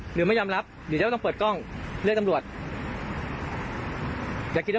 เมื่อกี้เปล่ายืนยอมรับเลยลูกผู้ชายหรือเปล่า